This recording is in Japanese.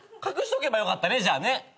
隠しとけばよかったねじゃあね。